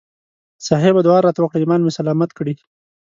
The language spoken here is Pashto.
صاحبه دعا راته وکړه ایمان مې سلامت کړي.